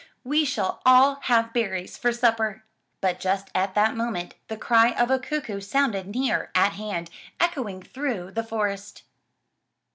We shall all have berries for supper." But just at that moment the cry of a cuckoo sounded near at hand, echoing through the forest.